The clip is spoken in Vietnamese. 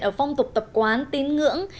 ở phong tục tập quán tín ngưỡng